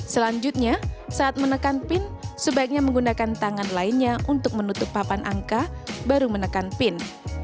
selanjutnya saat menekan pin sebaiknya menggunakan tangan lainnya untuk menutup papan angka baru menekan pin